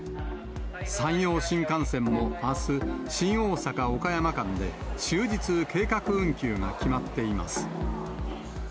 山陽新幹線もあす、新大阪・岡山間で終日計画運休が決まっています。